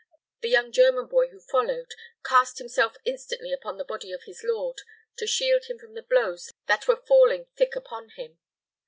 The young German boy who followed cast himself instantly upon the body of his lord, to shield him from the blows that were falling thick upon him.